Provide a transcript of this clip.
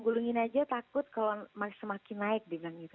gulungin aja takut kalau semakin naik dibilang gitu